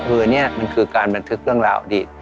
คือนี่มันคือการบันทึกเรื่องราวอดีต